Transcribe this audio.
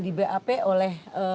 di bap oleh